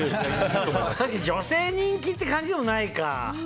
女性人気って感じでもないか。